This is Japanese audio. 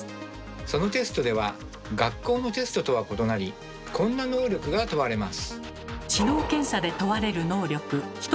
そのテストでは学校のテストとは異なりこんな能力が問われます。